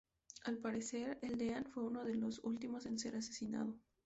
Al parecer el Deán fue uno de los últimos en ser asesinado.